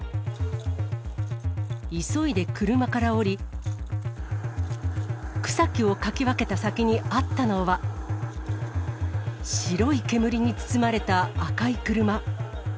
急いで車から降り、草木をかき分けた先にあったのは、白い煙に包まれた赤い車。